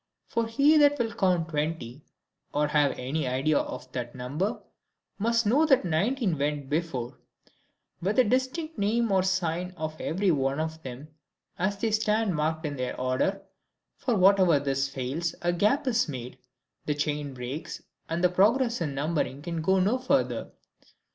For he that will count twenty, or have any idea of that number, must know that nineteen went before, with the distinct name or sign of every one of them, as they stand marked in their order; for wherever this fails, a gap is made, the chain breaks, and the progress in numbering can go no further.